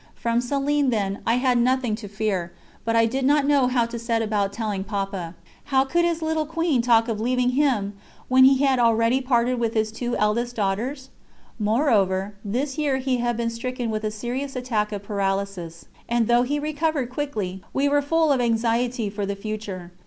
From Céline, then, I had nothing to fear, but I did not know how to set about telling Papa. How could his little Queen talk of leaving him when he had already parted with his two eldest daughters? Moreover, this year he had been stricken with a serious attack of paralysis, and though he recovered quickly we were full of anxiety for the future.